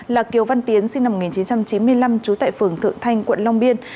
là kiều văn tiến sinh năm một nghìn chín trăm chín mươi năm trú tại phường thượng thanh quận long biên